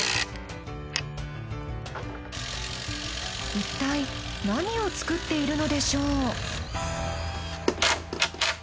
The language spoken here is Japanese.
いったい何を作っているのでしょう。